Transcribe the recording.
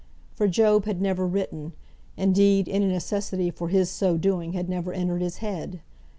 For Job had never written; indeed, any necessity for his so doing had never entered his head.